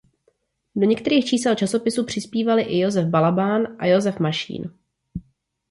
Do některých čísel časopisu přispívali i Josef Balabán a Josef Mašín.